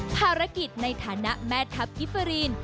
ภารกิจในฐานะแม่ทัพกิฟเฟอรีน